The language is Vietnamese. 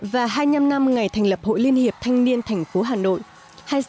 và hai mươi năm năm ngày thành lập hội liên hiệp thanh niên thành phố hà nội